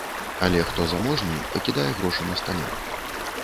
Але хто заможней, пакідае грошы на стале.